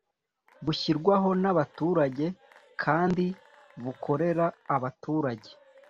bushyirwaho n’abaturage kandi bukorera abaturage”